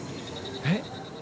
えっ？